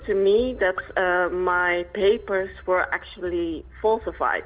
orphanage sudah mengakui kepada saya